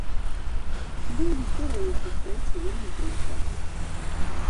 Ды і гісторыя іх сустрэчы вельмі простая.